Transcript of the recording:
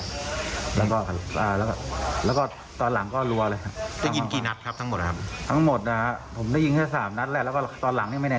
ก็เลยจอดตรงโค้งมาดูว่าผมโดนอะไรตอนนั้นที่เราโดนกระสุนเรารู้สึกตัวยังไงบ้างฮะ